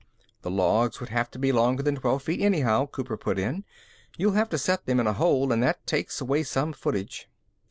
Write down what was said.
"The logs would have to be longer than twelve feet, anyhow," Cooper put in. "You'd have to set them in a hole and that takes away some footage."